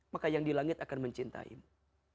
maka yang di langit akan mencintai mu